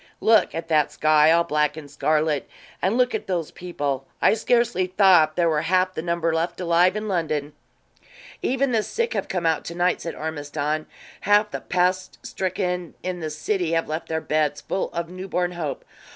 Look at that sky, all black and scarlet; and look at those people I scarcely thought there were half the number left alive in London." "Even the sick have come out to night," said Ormiston. "Half the pest stricken in the city have left their beds, full of newborn hope.